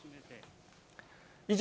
以上、